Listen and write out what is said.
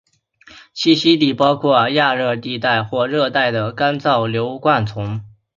栖息地包括亚热带或热带的干燥疏灌丛。